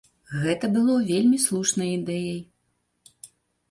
Гэта было вельмі слушнай ідэяй.